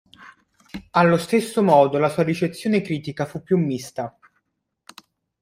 Allo stesso modo la sua ricezione critica fu più mista.